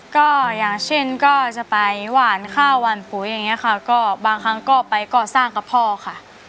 ก็อย่างเช่นก็จะไปหวานข้าวหวานปุ๋ยอย่างนี้ค่ะก็บางครั้งก็ไปก่อสร้างกับพ่อค่ะ